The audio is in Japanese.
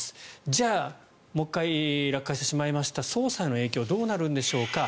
じゃあ、もう一回落下してしまいましたが捜査への影響はどうなるんでしょうか。